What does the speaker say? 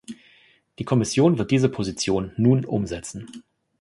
Die Kommission wird diese Position nun umsetzen.